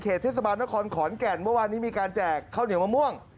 เทศบาลนครขอนแก่นเมื่อวานนี้มีการแจกข้าวเหนียวมะม่วง